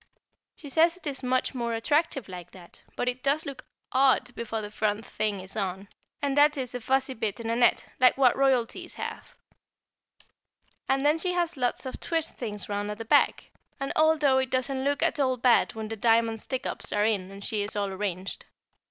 She says it is much more attractive like that, but it does look odd before the front thing is on, and that is a fuzzy bit in a net, like what Royalties have. And then she has lots of twist things round at the back, and although it doesn't look at all bad when the diamond stick ups are in and she is all arranged.